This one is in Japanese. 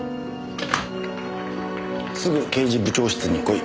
すぐ刑事部長室に来い。